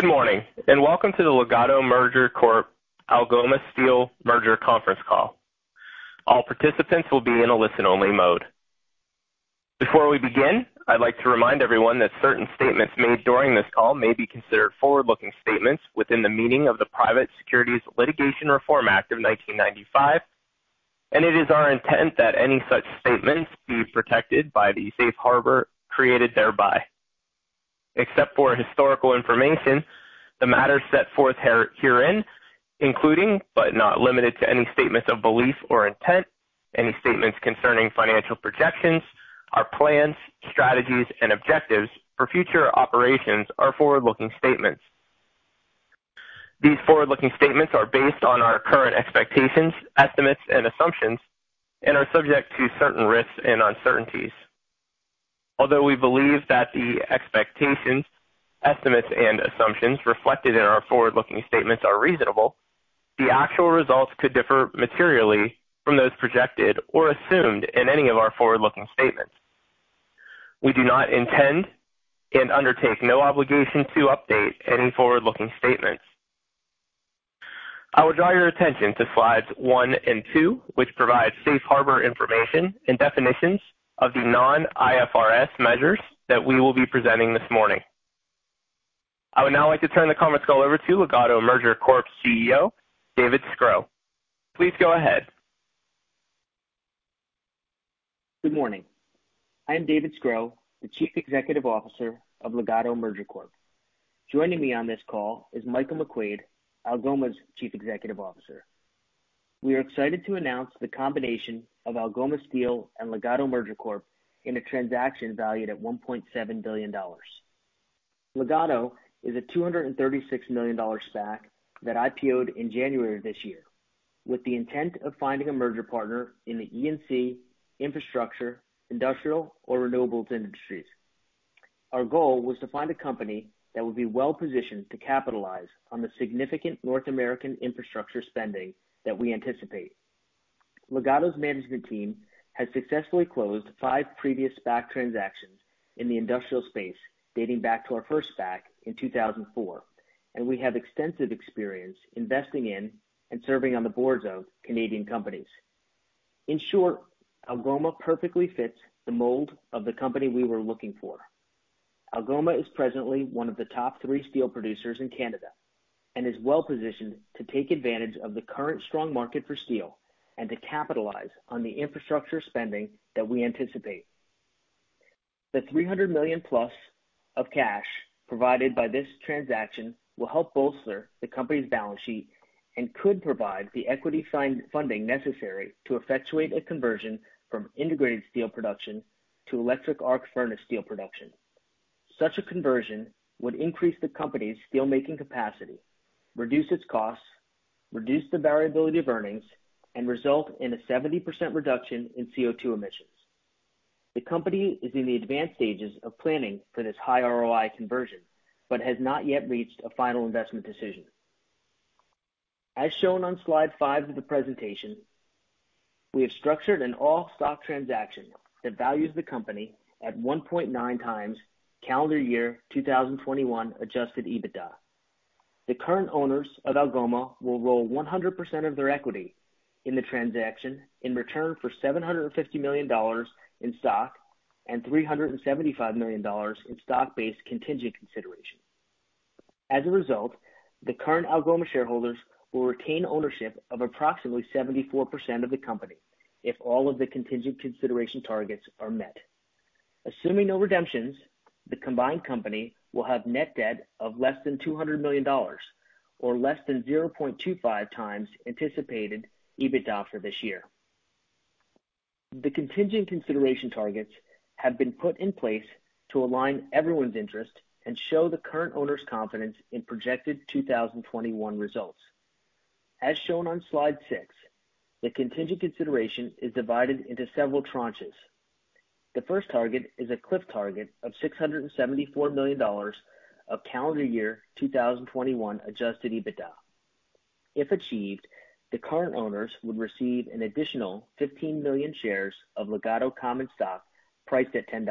Good morning, and welcome to the Legato Merger Corp Algoma Steel Merger conference call. All participants will be in a listen-only mode. Before we begin, I'd like to remind everyone that certain statements made during this call may be considered forward-looking statements within the meaning of the Private Securities Litigation Reform Act of 1995, and it is our intent that any such statements be protected by the safe harbor created thereby. Except for historical information, the matters set forth here, herein, including but not limited to any statements of belief or intent, any statements concerning financial projections, our plans, strategies and objectives for future operations are forward-looking statements. These forward-looking statements are based on our current expectations, estimates and assumptions and are subject to certain risks and uncertainties. Although we believe that the expectations, estimates, and assumptions reflected in our forward-looking statements are reasonable, the actual results could differ materially from those projected or assumed in any of our forward-looking statements. We do not intend and undertake no obligation to update any forward-looking statements. I would draw your attention to slides one and two, which provide safe harbor information and definitions of the non-IFRS measures that we will be presenting this morning. I would now like to turn the conference call over to Legato Merger Corp CEO, David Sgro. Please go ahead. Good morning. I am David Sgro, the Chief Executive Officer of Legato Merger Corp. Joining me on this call is Michael McQuade, Algoma's Chief Executive Officer. We are excited to announce the combination of Algoma Steel and Legato Merger Corp in a transaction valued at $1.7 billion. Legato is a $236 million SPAC that IPO'd in January of this year with the intent of finding a merger partner in the ENC, infrastructure, industrial or renewables industries. Our goal was to find a company that would be well-positioned to capitalize on the significant North American infrastructure spending that we anticipate. Legato's management team has successfully closed five previous SPAC transactions in the industrial space dating back to our first SPAC in 2004, and we have extensive experience investing in and serving on the boards of Canadian companies. In short, Algoma perfectly fits the mold of the company we were looking for. Algoma is presently one of the top three steel producers in Canada and is well-positioned to take advantage of the current strong market for steel and to capitalize on the infrastructure spending that we anticipate. The $300 million-plus of cash provided by this transaction will help bolster the company's balance sheet and could provide the equity financing necessary to effectuate a conversion from integrated steel production to electric arc furnace steel production. Such a conversion would increase the company's steelmaking capacity, reduce its costs, reduce the variability of earnings, and result in a 70% reduction in CO2 emissions. The company is in the advanced stages of planning for this high ROI conversion but has not yet reached a final investment decision. As shown on slide five of the presentation, we have structured an all-stock transaction that values the company at 1.9x calendar year 2021 adjusted EBITDA. The current owners of Algoma will roll 100% of their equity in the transaction in return for $750 million in stock and $375 million in stock-based contingent consideration. As a result, the current Algoma shareholders will retain ownership of approximately 74% of the company if all of the contingent consideration targets are met. Assuming no redemptions, the combined company will have net debt of less than $200 million or less than 0.25x anticipated EBITDA for this year. The contingent consideration targets have been put in place to align everyone's interest and show the current owners' confidence in projected 2021 results. As shown on slide six, the contingent consideration is divided into several tranches. The first target is a cliff target of $674 million of calendar year 2021 adjusted EBITDA. If achieved, the current owners would receive an additional 15 million shares of Legato common stock priced at $10.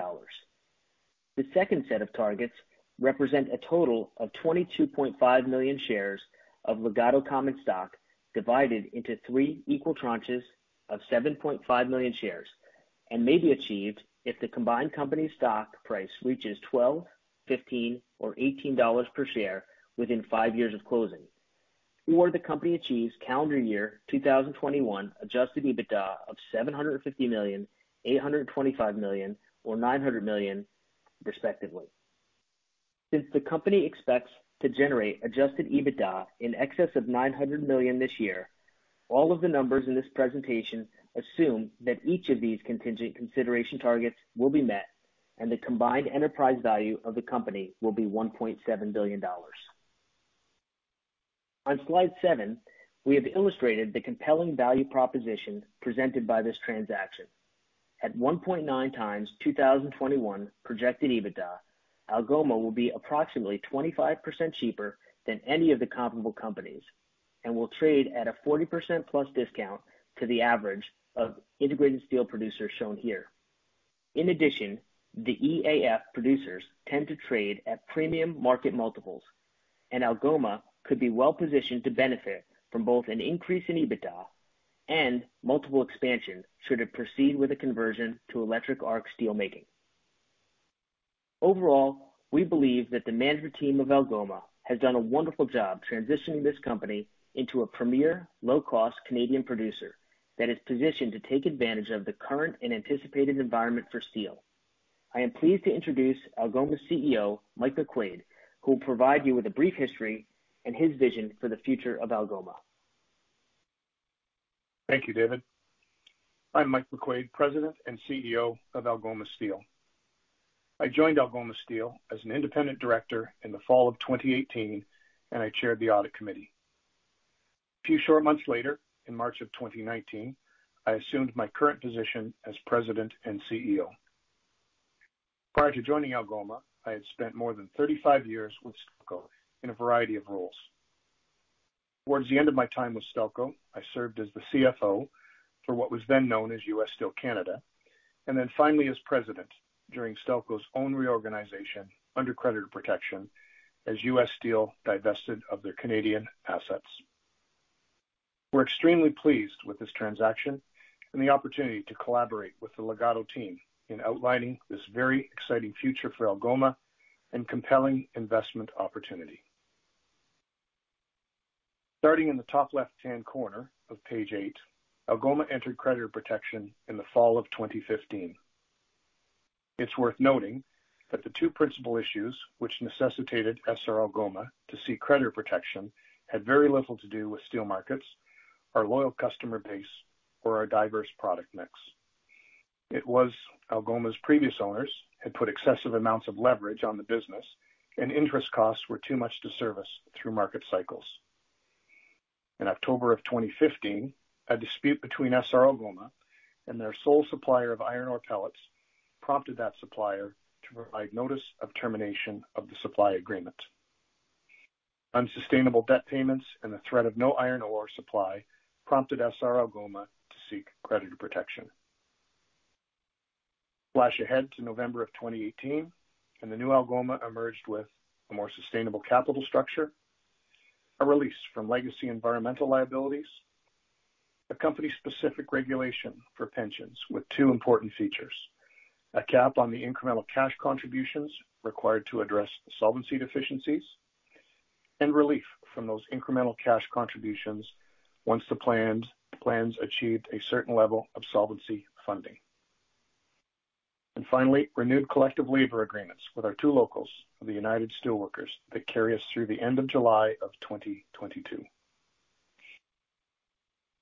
The second set of targets represent a total of 22.5 million shares of Legato common stock divided into three equal tranches of 7.5 million shares and may be achieved if the combined company's stock price reaches $12, $15, or $18 per share within five years of closing, or the company achieves calendar year 2021 adjusted EBITDA of $750 million, $825 million or $900 million respectively. Since the company expects to generate adjusted EBITDA in excess of $900 million this year, all of the numbers in this presentation assume that each of these contingent consideration targets will be met and the combined enterprise value of the company will be $1.7 billion. On slide seven, we have illustrated the compelling value proposition presented by this transaction. At 1.9x 2021 projected EBITDA, Algoma will be approximately 25% cheaper than any of the comparable companies and will trade at a 40%+ discount to the average of integrated steel producers shown here. In addition, the EAF producers tend to trade at premium market multiples, and Algoma could be well-positioned to benefit from both an increase in EBITDA and multiple expansion should it proceed with a conversion to electric arc steel making. Overall, we believe that the management team of Algoma has done a wonderful job transitioning this company into a premier low-cost Canadian producer that is positioned to take advantage of the current and anticipated environment for steel. I am pleased to introduce Algoma's CEO, Mike McQuade, who will provide you with a brief history and his vision for the future of Algoma. Thank you, David. I'm Mike McQuade, President and CEO of Algoma Steel. I joined Algoma Steel as an independent director in the fall of 2018, and I chaired the audit committee. A few short months later, in March of 2019, I assumed my current position as President and CEO. Prior to joining Algoma, I had spent more than 35 years with Stelco in a variety of roles. Towards the end of my time with Stelco, I served as the CFO for what was then known as US Steel Canada, and then finally as president during Stelco's own reorganization under creditor protection as US Steel divested of their Canadian assets. We're extremely pleased with this transaction and the opportunity to collaborate with the Legato team in outlining this very exciting future for Algoma and compelling investment opportunity. Starting in the top left-hand corner of page eight, Algoma entered creditor protection in the fall of 2015. It's worth noting that the two principal issues which necessitated Essar Algoma to seek creditor protection had very little to do with steel markets, our loyal customer base or our diverse product mix. It was Algoma's previous owners had put excessive amounts of leverage on the business, and interest costs were too much to service through market cycles. In October of 2015, a dispute between Essar Algoma and their sole supplier of iron ore pellets prompted that supplier to provide notice of termination of the supply agreement. Unsustainable debt payments and the threat of no iron ore supply prompted Essar Algoma to seek creditor protection. Flash ahead to November 2018, and the new Algoma emerged with a more sustainable capital structure, a release from legacy environmental liabilities, a company-specific regulation for pensions with two important features, a cap on the incremental cash contributions required to address the solvency deficiencies and relief from those incremental cash contributions once the plans achieved a certain level of solvency funding. Finally, renewed collective labor agreements with our two locals of the United Steelworkers that carry us through the end of July 2022.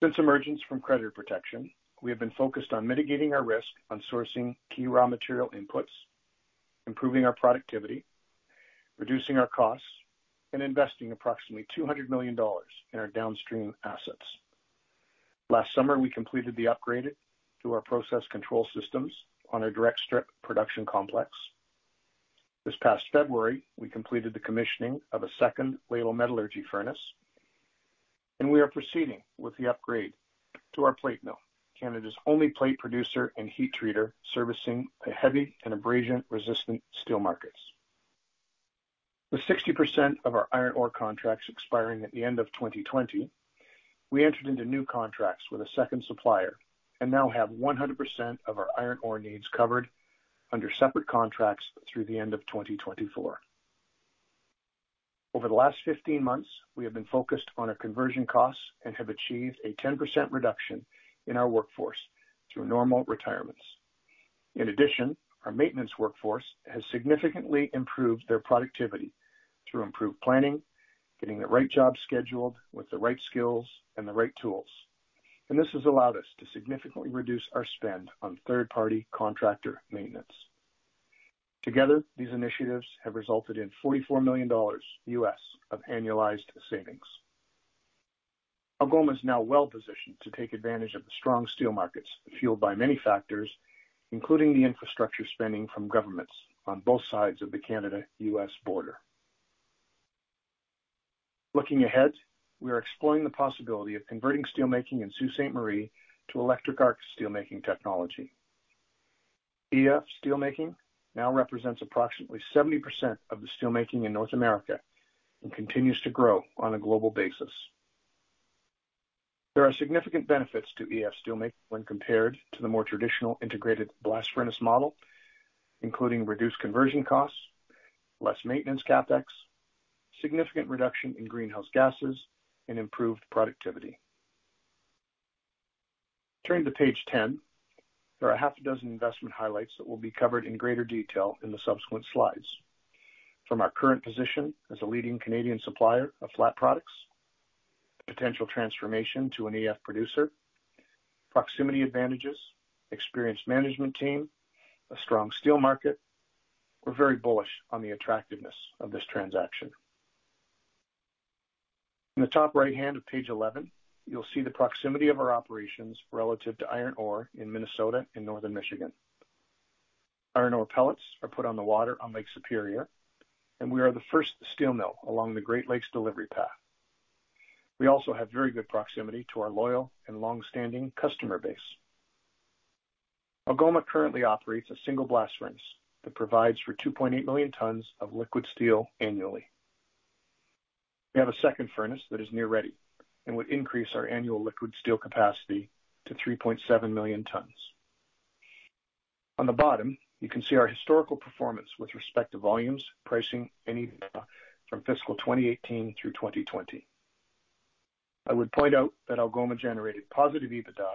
Since emergence from creditor protection, we have been focused on mitigating our risk on sourcing key raw material inputs, improving our productivity, reducing our costs, and investing approximately $200 million in our downstream assets. Last summer, we completed the upgrade to our process control systems on our Direct Strip Production Complex. This past February, we completed the commissioning of a second ladle metallurgy furnace, and we are proceeding with the upgrade to our plate mill, Canada's only plate producer and heat treater servicing the heavy and abrasion-resistant steel markets. With 60% of our iron ore contracts expiring at the end of 2020, we entered into new contracts with a second supplier and now have 100% of our iron ore needs covered under separate contracts through the end of 2024. Over the last 15 months, we have been focused on our conversion costs and have achieved a 10% reduction in our workforce through normal retirements. In addition, our maintenance workforce has significantly improved their productivity through improved planning, getting the right job scheduled with the right skills and the right tools. This has allowed us to significantly reduce our spend on third-party contractor maintenance. Together, these initiatives have resulted in $44 million of annualized savings. Algoma is now well-positioned to take advantage of the strong steel markets fueled by many factors, including the infrastructure spending from governments on both sides of the Canada-U.S. border. Looking ahead, we are exploring the possibility of converting steel making in Sault Ste. Marie to electric arc steel making technology. EAF steel making now represents approximately 70% of the steel making in North America and continues to grow on a global basis. There are significant benefits to EAF steel making when compared to the more traditional integrated blast furnace model, including reduced conversion costs, less maintenance CapEx, significant reduction in greenhouse gases, and improved productivity. Turning to page 10, there are half a dozen investment highlights that will be covered in greater detail in the subsequent slides. From our current position as a leading Canadian supplier of flat products, potential transformation to an EAF producer, proximity advantages, experienced management team, a strong steel market. We're very bullish on the attractiveness of this transaction. In the top right-hand of page 11, you'll see the proximity of our operations relative to iron ore in Minnesota and northern Michigan. Iron ore pellets are put on the water on Lake Superior, and we are the first steel mill along the Great Lakes delivery path. We also have very good proximity to our loyal and long-standing customer base. Algoma currently operates a single blast furnace that provides for 2.8 million tons of liquid steel annually. We have a second furnace that is nearly ready and would increase our annual liquid steel capacity to 3.7 million tons. On the bottom, you can see our historical performance with respect to volumes, pricing, and EBITDA from fiscal 2018 through 2020. I would point out that Algoma generated positive EBITDA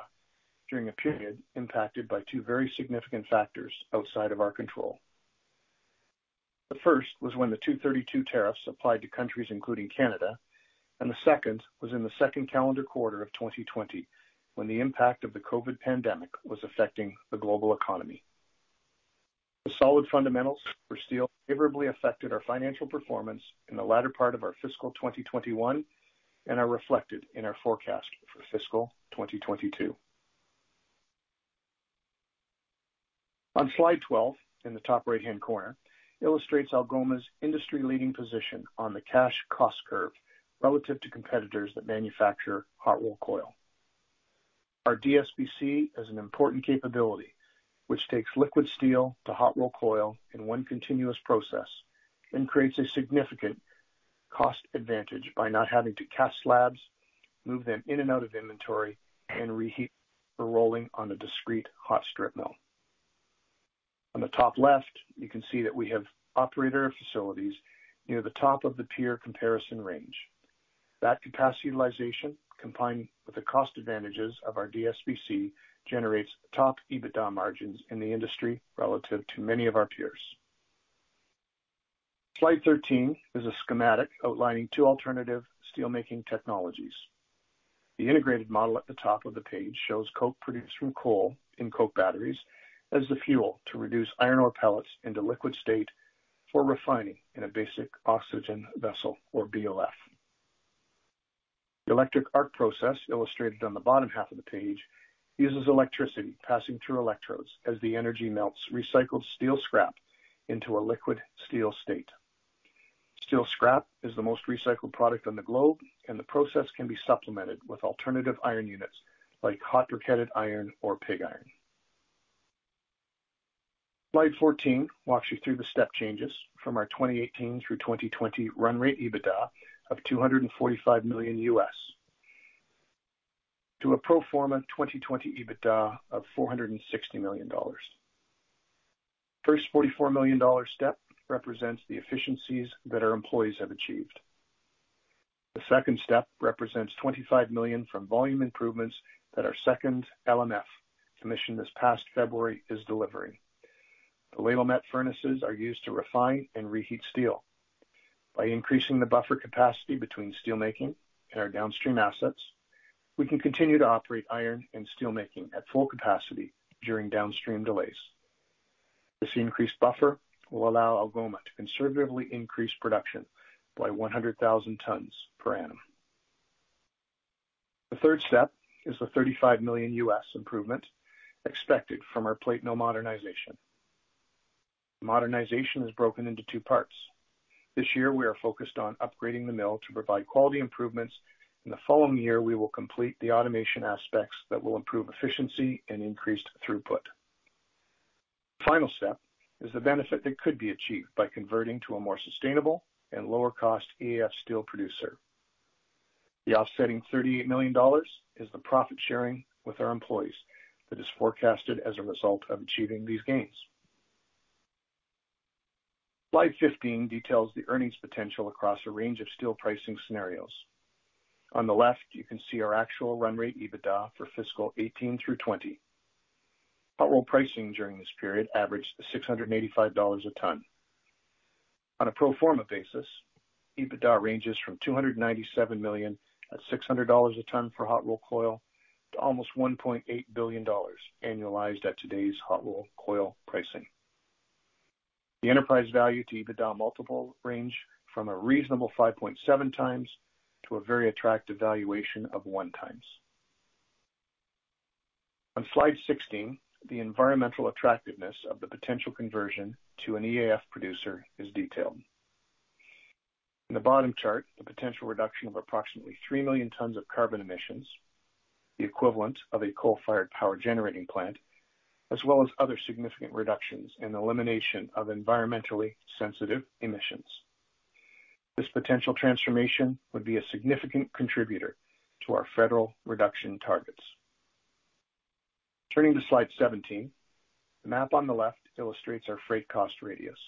during a period impacted by two very significant factors outside of our control. The first was when the Section 232 tariffs applied to countries including Canada, and the second was in the second calendar quarter of 2020, when the impact of the COVID pandemic was affecting the global economy. The solid fundamentals for steel favorably affected our financial performance in the latter part of our fiscal 2021 and are reflected in our forecast for fiscal 2022. On slide 12, in the top right-hand corner, illustrates Algoma's industry-leading position on the cash cost curve relative to competitors that manufacture hot rolled coil. Our DSPC is an important capability which takes liquid steel to hot rolled coil in one continuous process and creates a significant cost advantage by not having to cast slabs, move them in and out of inventory, and reheat the rolling on a discrete hot strip mill. On the top left, you can see that we have operating facilities near the top of the peer comparison range. That capacity utilization, combined with the cost advantages of our DSPC, generates top EBITDA margins in the industry relative to many of our peers. Slide 13 is a schematic outlining two alternative steelmaking technologies. The integrated model at the top of the page shows coke produced from coal in coke batteries as the fuel to reduce iron ore pellets into liquid state for refining in a basic oxygen furnace or BOF. The electric arc process, illustrated on the bottom half of the page, uses electricity passing through electrodes as the energy melts recycled steel scrap into a liquid steel state. Steel scrap is the most recycled product on the globe, and the process can be supplemented with alternative iron units like hot briquetted iron or pig iron. Slide 14 walks you through the step changes from our 2018 through 2020 run rate EBITDA of $245 million to a pro forma 2020 EBITDA of $460 million. First $44 million step represents the efficiencies that our employees have achieved. The second step represents $25 million from volume improvements that our second LMF commissioning this past February is delivering. The ladle metallurgy furnaces are used to refine and reheat steel. By increasing the buffer capacity between steelmaking and our downstream assets, we can continue to operate iron and steelmaking at full capacity during downstream delays. This increased buffer will allow Algoma to conservatively increase production by 100,000 tons per annum. The third step is the $35 million improvement expected from our plate mill modernization. Modernization is broken into two parts. This year, we are focused on upgrading the mill to provide quality improvements. In the following year, we will complete the automation aspects that will improve efficiency and increased throughput. Final step is the benefit that could be achieved by converting to a more sustainable and lower cost EAF steel producer. The offsetting $38 million is the profit sharing with our employees that is forecasted as a result of achieving these gains. Slide 15 details the earnings potential across a range of steel pricing scenarios. On the left, you can see our actual run rate EBITDA for fiscal 2018 through 2020. Hot-rolled coil pricing during this period averaged $685 a ton. On a pro forma basis, EBITDA ranges from $297 million at $600 a ton for hot-rolled coil to almost $1.8 billion annualized at today's hot-rolled coil pricing. The enterprise value to EBITDA multiple ranges from a reasonable 5.7x to a very attractive valuation of 1x. On Slide 16, the environmental attractiveness of the potential conversion to an EAF producer is detailed. In the bottom chart, the potential reduction of approximately three million tons of carbon emissions, the equivalent of a coal-fired power generating plant, as well as other significant reductions in elimination of environmentally sensitive emissions. This potential transformation would be a significant contributor to our federal reduction targets. Turning to slide 17, the map on the left illustrates our freight cost radius.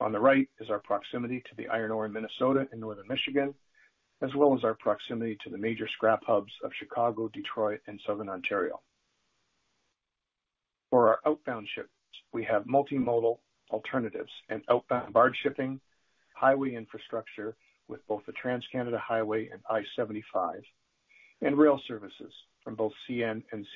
On the right is our proximity to the iron ore in Minnesota and Northern Michigan, as well as our proximity to the major scrap hubs of Chicago, Detroit, and Southern Ontario. For our outbound shipments, we have multimodal alternatives and outbound barge shipping, highway infrastructure with both the TransCanada Highway and I-75, and rail services from both CN and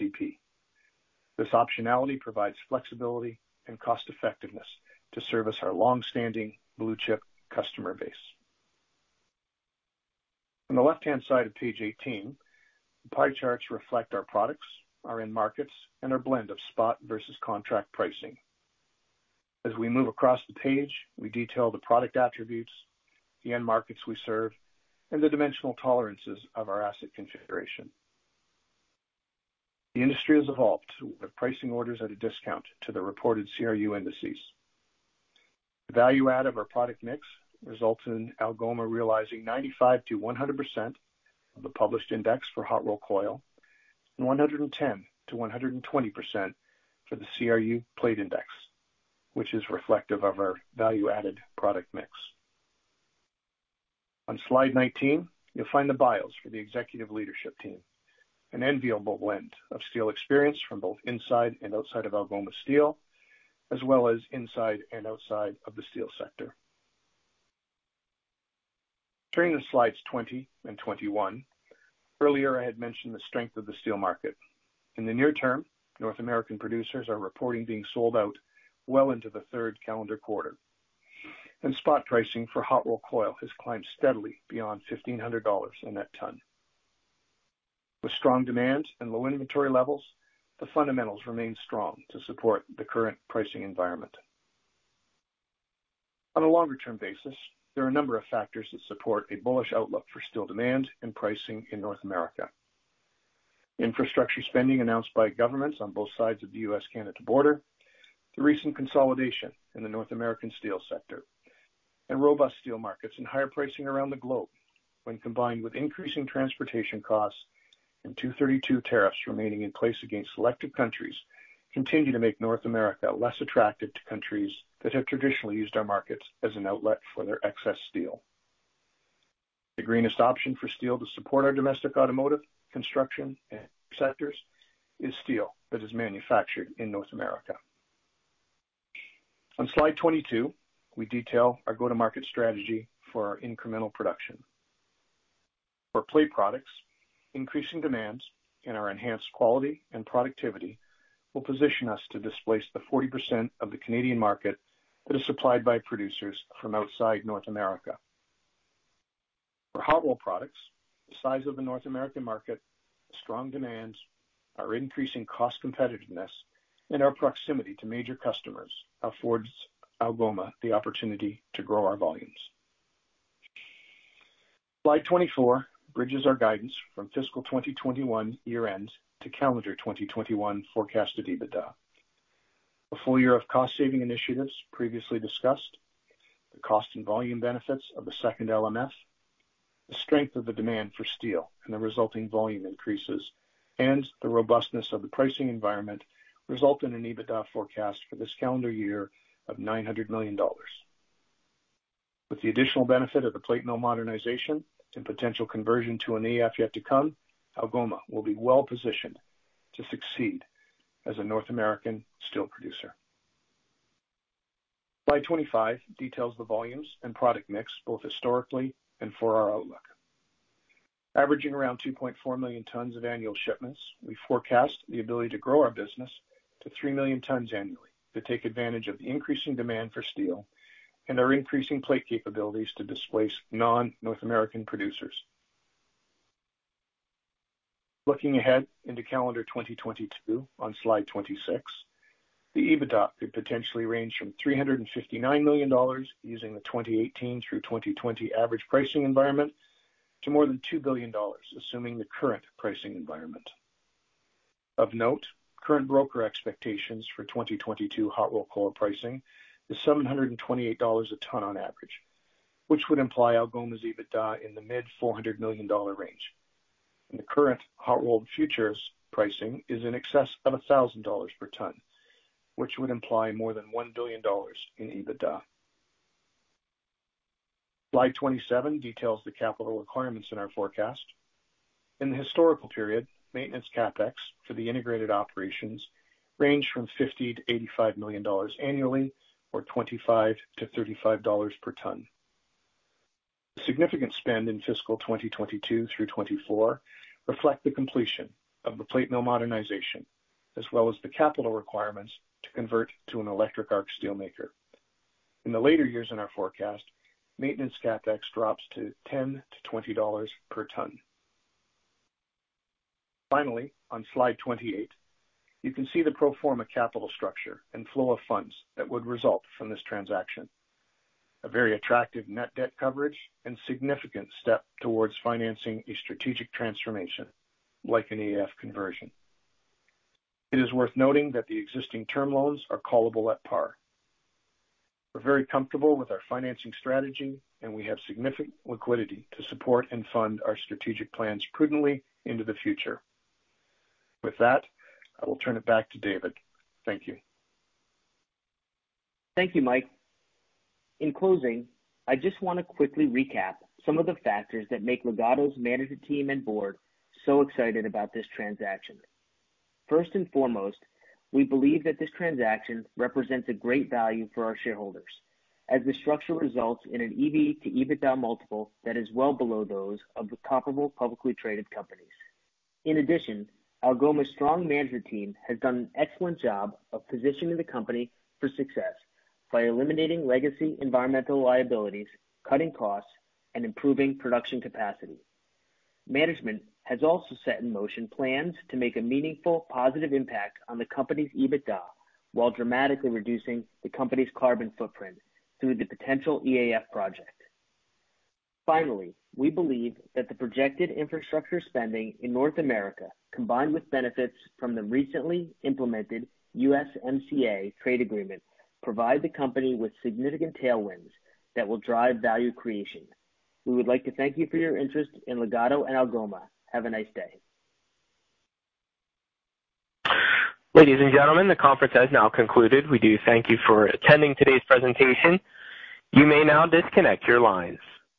CP. This optionality provides flexibility and cost effectiveness to service our long-standing blue-chip customer base. On the left-hand side of page 18, pie charts reflect our products, our end markets and our blend of spot versus contract pricing. As we move across the page, we detail the product attributes, the end markets we serve, and the dimensional tolerances of our asset configuration. The industry has evolved with pricing orders at a discount to the reported CRU indices. The value add of our product mix results in Algoma realizing 95%-100% of the published index for hot rolled coil and 110%-120% for the CRU plate index, which is reflective of our value-added product mix. On slide 19, you'll find the bios for the executive leadership team, an enviable blend of steel experience from both inside and outside of Algoma Steel, as well as inside and outside of the steel sector. Turning to slides 20 and 21. Earlier, I had mentioned the strength of the steel market. In the near term, North American producers are reporting being sold out well into the third calendar quarter, and spot pricing for hot rolled coil has climbed steadily beyond $1,500 a net ton. With strong demand and low inventory levels, the fundamentals remain strong to support the current pricing environment. On a longer-term basis, there are a number of factors that support a bullish outlook for steel demand and pricing in North America. Infrastructure spending announced by governments on both sides of the U.S.-Canada border, the recent consolidation in the North American steel sector, and robust steel markets and higher pricing around the globe when combined with increasing transportation costs and Section 232 tariffs remaining in place against selected countries, continue to make North America less attractive to countries that have traditionally used our markets as an outlet for their excess steel. The greenest option for steel to support our domestic automotive, construction, and sectors is steel that is manufactured in North America. On slide 22, we detail our go-to-market strategy for our incremental production. For plate products, increasing demands in our enhanced quality and productivity will position us to displace the 40% of the Canadian market that is supplied by producers from outside North America. For hot roll products, the size of the North American market, strong demands are increasing cost competitiveness and our proximity to major customers affords Algoma the opportunity to grow our volumes. Slide 24 bridges our guidance from fiscal 2021 year-end to calendar 2021 forecast to EBITDA. A full year of cost-saving initiatives previously discussed, the cost and volume benefits of the second LMF, the strength of the demand for steel and the resulting volume increases, and the robustness of the pricing environment result in an EBITDA forecast for this calendar year of $900 million. With the additional benefit of the plate mill modernization and potential conversion to an EAF yet to come, Algoma will be well positioned to succeed as a North American steel producer. Slide 25 details the volumes and product mix, both historically and for our outlook. Averaging around 2.4 million tons of annual shipments, we forecast the ability to grow our business to three million tons annually to take advantage of the increasing demand for steel and our increasing plate capabilities to displace non-North American producers. Looking ahead into calendar 2022 on Slide 26, the EBITDA could potentially range from $359 million using the 2018 through 2020 average pricing environment to more than $2 billion, assuming the current pricing environment. Of note, current broker expectations for 2022 hot-rolled coil pricing is $728 a ton on average, which would imply Algoma's EBITDA in the mid-$400 million range. The current hot-rolled futures pricing is in excess of $1,000 per ton, which would imply more than $1 billion in EBITDA. Slide 27 details the capital requirements in our forecast. In the historical period, maintenance CapEx for the integrated operations range from $50 million-$85 million annually, or $25-$35 per ton. The significant spend in fiscal 2022 through 2024 reflect the completion of the plate mill modernization, as well as the capital requirements to convert to an electric arc steel maker. In the later years in our forecast, maintenance CapEx drops to $10-$20 per ton. Finally, on slide 28, you can see the pro forma capital structure and flow of funds that would result from this transaction, a very attractive net debt coverage and significant step towards financing a strategic transformation like an EAF conversion. It is worth noting that the existing term loans are callable at par. We're very comfortable with our financing strategy, and we have significant liquidity to support and fund our strategic plans prudently into the future. With that, I will turn it back to David. Thank you. Thank you, Mike. In closing, I just wanna quickly recap some of the factors that make Legato's management team and board so excited about this transaction. First and foremost, we believe that this transaction represents a great value for our shareholders as the structure results in an EV to EBITDA multiple that is well below those of the comparable publicly traded companies. In addition, Algoma's strong management team has done an excellent job of positioning the company for success by eliminating legacy environmental liabilities, cutting costs, and improving production capacity. Management has also set in motion plans to make a meaningful, positive impact on the company's EBITDA while dramatically reducing the company's carbon footprint through the potential EAF project. Finally, we believe that the projected infrastructure spending in North America, combined with benefits from the recently implemented USMCA trade agreement, provide the company with significant tailwinds that will drive value creation. We would like to thank you for your interest in Legato and Algoma. Have a nice day. Ladies and gentlemen, the conference has now concluded. We do thank you for attending today's presentation. You may now disconnect your lines.